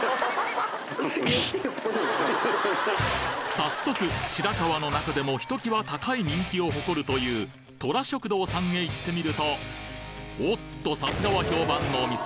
早速白河の中でもひときわ高い人気を誇るというとら食堂さんへ行ってみるとおっとさすがは評判のお店。